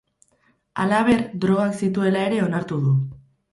Halaber, drogak zituela ere onartu du.